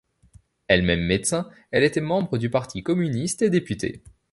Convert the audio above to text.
Elle-même médecin, elle était membre du Parti communiste et député.